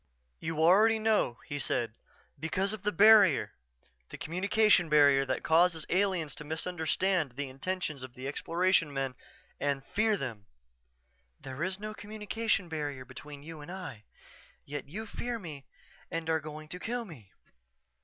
_" "You already know," he said. "Because of the barrier the communication barrier that causes aliens to misunderstand the intentions of Exploration men and fear them." "_There is no communication barrier between you and I yet you fear me and are going to kill me.